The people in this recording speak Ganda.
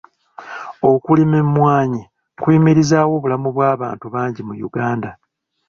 Okulima emmwanyi kuyimirizzaawo obulamu bw'abantu bangi mu Uganda.